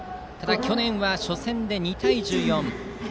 ただ、去年は初戦で２対１４。